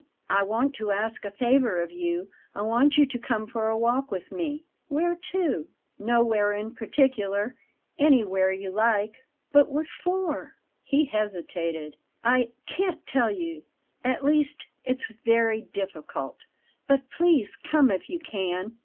"I want to ask a favour of you; I want you to come for a walk with me." "Where to?" "Nowhere in particular; anywhere you like." "But what for?" He hesitated. "I can't tell you at least, it's very difficult; but please come if you can."